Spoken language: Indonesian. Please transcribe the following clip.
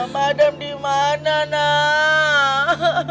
pak adam di mana nak